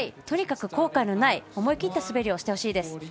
とにかく後悔のない思い切った滑りをしてほしいです。